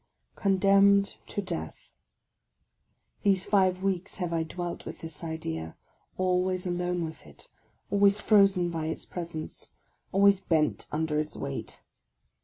l ONDEMNED to death ! These five weeks have I dwelt with this idea, — always alone with it, always frozen by its presence, always bent under its weight.